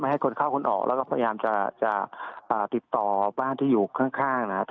ให้คนเข้าคนออกแล้วก็พยายามจะติดต่อบ้านที่อยู่ข้างนะครับ